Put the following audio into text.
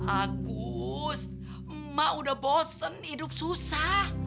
agus emak udah bosen hidup susah